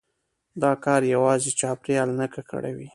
دا کار يوازي چاپېريال نه ککړوي،